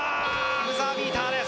ブザービーターです！